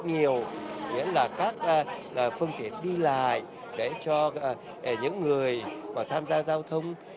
nhiều nghĩa là các phương tiện đi lại để cho những người mà tham gia giao thông